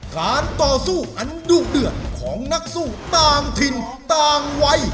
การต่อสู้อันดุเดือดของนักสู้ต่างถิ่นต่างวัย